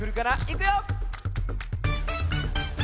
いくよ！